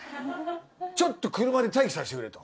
ちょっと車で待機させてくれと。